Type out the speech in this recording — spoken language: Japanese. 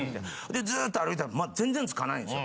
でずっと歩いたら全然着かないんですよ。